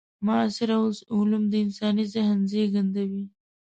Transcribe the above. معاصر علوم د انساني ذهن زېږنده وي.